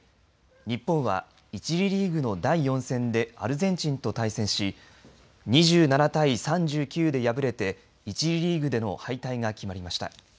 日本は１次リーグの第４戦でアルゼンチンと対戦し２７対３９で敗れて１次リーグでの敗退が決まりました。